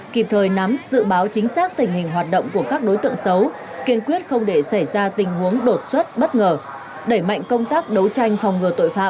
kịp thời nắm dự báo chính xác tình hình hoạt động của các đối tượng xấu kiên quyết không để xảy ra tình huống đột xuất bất ngờ